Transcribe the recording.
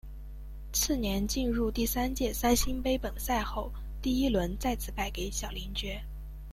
次年进入第三届三星杯本赛后第一轮再次败给小林觉。